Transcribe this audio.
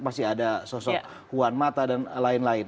masih ada sosok puan mata dan lain lain